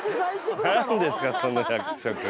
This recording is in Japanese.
何ですかその役職。